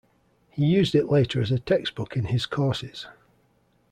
He used it later as a textbook in his courses.